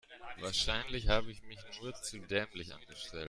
Wahrscheinlich habe ich mich nur zu dämlich angestellt.